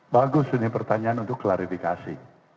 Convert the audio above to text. bagus ini pertanyaan untuk klarifikasi